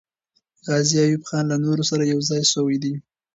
غازي ایوب خان له نورو سره یو ځای سوی دی.